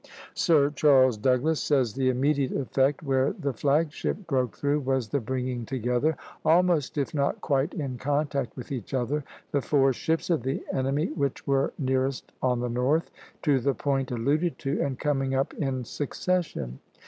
Sir Charles Douglas says the immediate effect, where the flag ship broke through, was "the bringing together, almost if not quite in contact with each other, the four ships of the enemy which were nearest," on the north, "to the point alluded to (c), and coming up in succession.